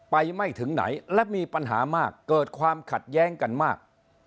ไม่ถึงไหนและมีปัญหามากเกิดความขัดแย้งกันมาก